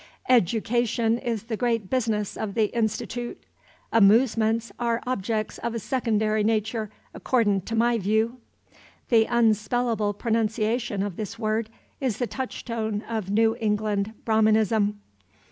Edoocation is the great business of the Institoot. Amoosements are objec's of a secondary natur', accordin' to my v'oo." [The unspellable pronunciation of this word is the touchstone of New England Brahminism.